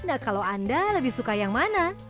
nah kalau anda lebih suka yang mana